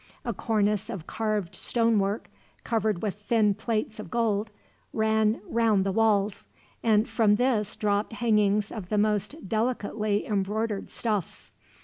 A cornice of carved stonework covered with thin plates of gold ran round the walls, and from this dropped hangings of the most delicately embroidered stuffs.